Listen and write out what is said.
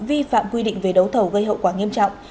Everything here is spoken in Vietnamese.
vi phạm quy định về đấu thầu gây hậu quả nghiêm trọng